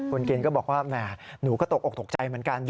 คุณเกณฑ์ก็บอกว่าแหมหนูก็ตกออกตกใจเหมือนกัน